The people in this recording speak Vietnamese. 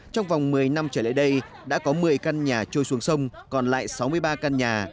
trong vòng một mươi năm trở lại đây đã có một mươi căn nhà trôi xuống sông còn lại sáu mươi ba căn nhà